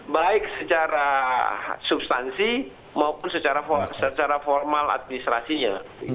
baik secara substansi maupun secara formal administrasinya